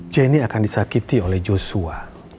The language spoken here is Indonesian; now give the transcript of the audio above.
jenny akan disakiti oleh joshua